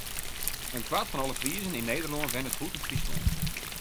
In kwart fan alle Friezen yn Nederlân wennet bûten Fryslân.